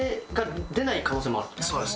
そうです。